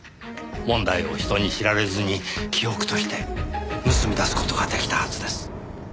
問題を人に知られずに記憶として盗み出す事が出来たはずです。